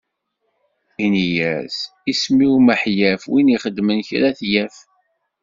Ini-as: isem-iw Miḥyaf, win ixedmen kra ad t-yaf.